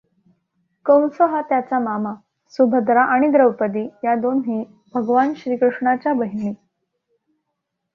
कंस हा त्याचा मामा. सुभद्रा आणि द्रौपदी या दोन्ही भगवान श्रीकृष्णाच्या बहिणी.